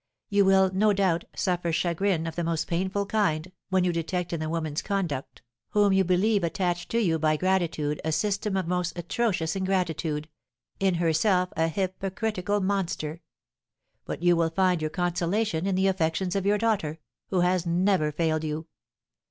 You will, no doubt, suffer chagrin of a most painful kind, when you detect in the woman's conduct, whom you believe attached to you by gratitude, a system of most atrocious ingratitude, in herself a hypocritical monster. But you will find your consolation in the affections of your daughter, who has never failed you.'